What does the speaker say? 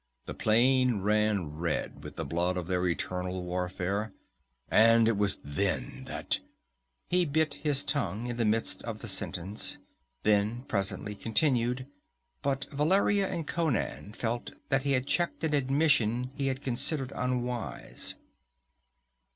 The plain ran red with the blood of their eternal warfare, and it was then that " He bit his tongue in the midst of the sentence, then presently continued, but Valeria and Conan felt that he had checked an admission he had considered unwise.